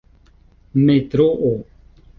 metroo